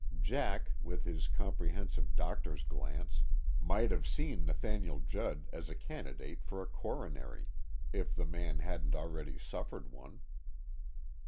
Jack, with his comprehensive doctor's glance, might have seen Nathaniel Judd as a candidate for a coronary, if the man hadn't already suffered one.